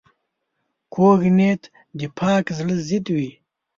کوږ نیت د پاک زړه ضد وي